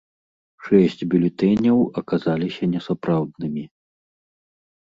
Шэсць бюлетэняў аказаліся несапраўднымі.